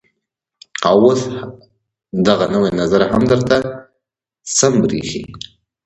او اوس دغه نوى نظر هم درته سم بريښي.